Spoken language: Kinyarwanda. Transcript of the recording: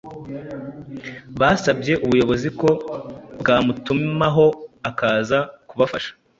basabye ubuyobozi ko bwamutumaho akaza kubafasha.